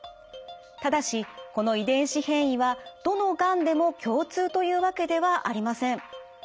ただしこの遺伝子変異はどのがんでも共通というわけではありません。